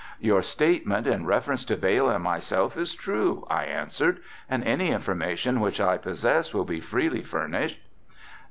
"Your statement in reference to Vail and myself is true," I answered, "and any information which I possess will be freely furnished."